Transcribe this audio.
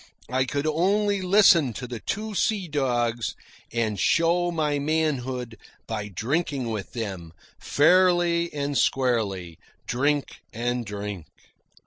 I could only listen to the two sea dogs, and show my manhood by drinking with them, fairly and squarely, drink and drink.